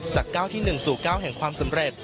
จาก๙ที่๑สู่๙แห่งความสำเร็จ